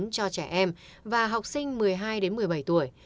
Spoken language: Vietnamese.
cho trẻ em và học sinh một mươi hai một mươi bảy tuổi